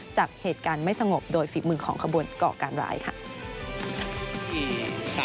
จากเหตุการณ์ไม่สงบโดยฝีมือของขบวนก่อการร้ายค่ะ